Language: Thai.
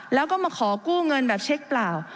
แล้วก็มาขอกู้เงินแบบเช็คเปล่า